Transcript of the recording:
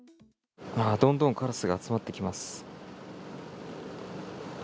あー、どんどんカラスが集まってきます。